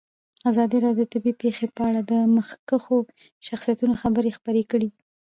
ازادي راډیو د طبیعي پېښې په اړه د مخکښو شخصیتونو خبرې خپرې کړي.